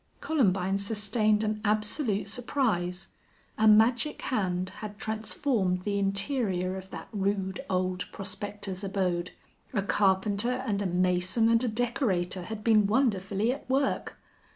Columbine sustained an absolute surprise. A magic hand had transformed the interior of that rude old prospector's abode. A carpenter and a mason and a decorator had been wonderfully at work.